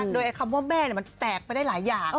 โดยคำว่าแม่มันแตกไปได้หลายอย่าง